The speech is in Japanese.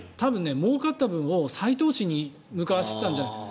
もうかった分を再投資に向かわせていたんじゃないかな。